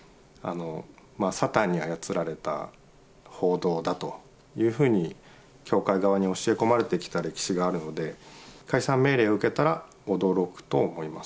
サタンに操られた報道だというふうに教会側に教え込まれてきた歴史があるので、解散命令を受けたら、驚くと思います。